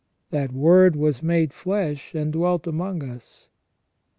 "The Word was made flesh and dwelt among us."